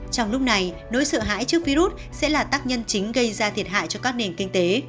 trong lúc này nỗi sợ hãi trước virus sẽ là tác nhân chính gây ra thiệt hại cho các nền kinh tế